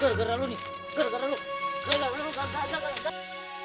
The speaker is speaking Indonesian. gara gara lu nih gara gara lu